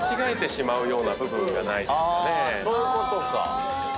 そういうことか。